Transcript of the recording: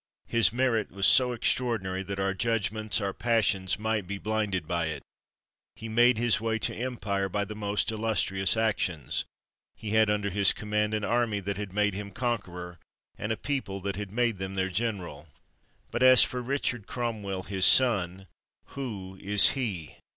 His merit was so extraordinary, that our judgments, our pas sions might be blinded by it. He made his way to empire by the most illustrious actions; he had under his command an army that had made him conqueror, and a people that had made him their general. But, as for Richard Crom well, his son, who is he?